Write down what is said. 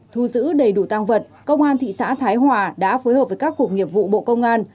thu giữ đầy đủ tăng vật công an thị xã thái hòa đã phối hợp với các cuộc nghiệp vụ bộ công an